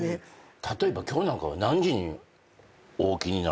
例えば今日なんかは何時にお起きになられるわけですか？